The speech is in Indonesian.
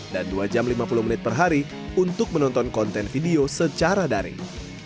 dan dua jam lima puluh menit per hari untuk menonton konten video secara daring